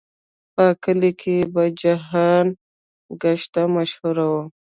په کلي کې په جهان ګشته مشهور و.